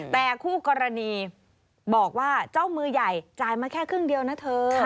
แต่คู่กรณีบอกว่าเจ้ามือใหญ่จ่ายมาแค่ครึ่งเดียวนะเธอ